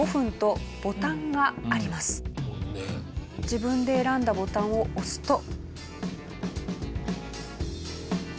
自分で選んだボタンを押すと。